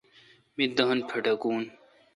می دان پٹھکون۔